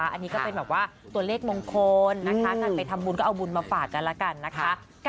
อันนี้ก็เป็นแบบว่าตัวเลขมงคลนะคะการไปทำบุญก็เอาบุญมาฝากกันแล้วกันนะคะ